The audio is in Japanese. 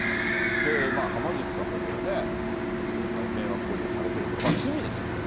はま寿司さんもこれね、いろんな迷惑行為をされてると、罪ですよ、これは。